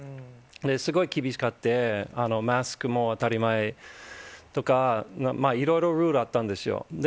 すごい厳しくって、マスクも当たり前とか、いろいろルールあったんですよ。